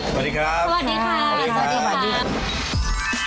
สวัสดีครับสวัสดีครับสวัสดีครับสวัสดีครับสวัสดี